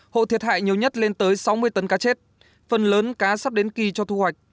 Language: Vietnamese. hộ thiệt hại nhiều nhất lên tới sáu mươi tấn cá chết phần lớn cá sắp đến kỳ cho thu hoạch